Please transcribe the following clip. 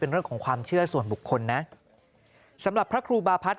เรื่องของความเชื่อส่วนบุคคลนะสำหรับพระครูบาพัฒน